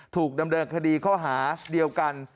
ถูกดำเนินคดีข้อหาเดียวกัน